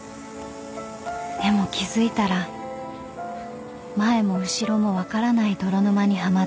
［でも気付いたら前も後ろも分からない泥沼にはまっていた私］